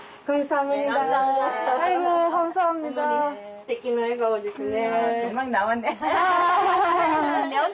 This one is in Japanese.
すてきな笑顔ですね。